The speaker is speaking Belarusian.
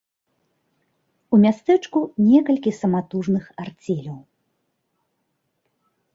У мястэчку некалькі саматужных арцеляў.